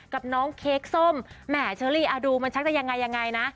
กับน้องเค้กส้มแหมเชอรี่ดูมันชักจะยังไงยังไงนะ